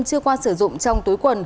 chưa qua sử dụng trong túi quần